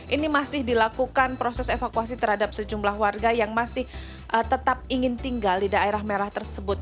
ini masih dilakukan proses evakuasi terhadap sejumlah warga yang masih tetap ingin tinggal di daerah merah tersebut